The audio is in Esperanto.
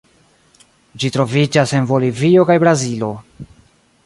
Ĝi troviĝas en Bolivio kaj Brazilo.